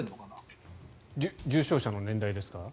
重症者の年代ですか？